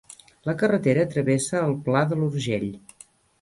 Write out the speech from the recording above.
La carretera travessa el Pla de l'Urgell.